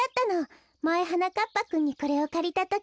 まえはなかっぱくんにこれをかりたとき。